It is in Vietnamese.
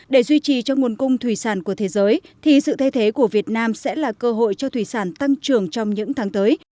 để duy trì cho nguồn cung thủy sản của thế giới thì sự thay thế của việt nam sẽ là cơ hội cho thủy sản tăng trưởng trong những tháng tới